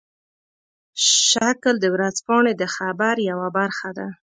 شکل د ورځپاڼې د خبر یوه برخه ده.